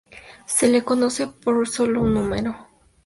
Se lo conoce por solo un húmero.